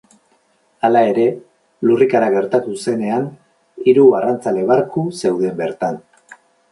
Hala ere, lurrikara gertatu zenean, hiru arrantzale barku zeuden bertan.